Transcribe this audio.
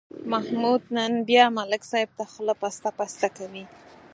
محمود نن بیا ملک صاحب ته خوله پسته پسته کوي.